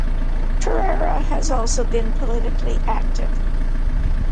Ferrera has also been politically active.